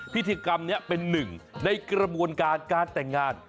พิธีกรรมนี้เป็นหนึ่งในกระบวนการการแต่งงาน